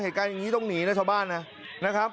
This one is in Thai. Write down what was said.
เหตุการณ์อย่างนี้ต้องหนีนะชาวบ้านนะครับ